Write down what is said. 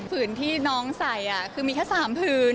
ผื่นที่น้องใส่คือมีแค่๓ผืน